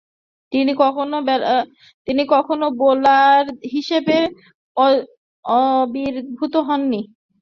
তিনি কখনো বোলার হিসেবে আবির্ভূত হননি।